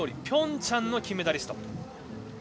ピョンチャンの金メダリスト。